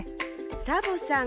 サボさん